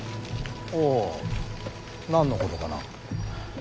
おお何のことかな。